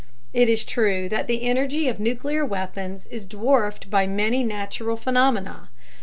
It is true that the energy of nuclear weapons is dwarfed by many natural phenomena.